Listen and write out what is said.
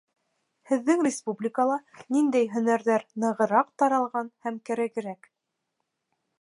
Һеҙҙең республикала ниндәй һөнәрҙәр нығыраҡ таралған һәм кәрәгерәк?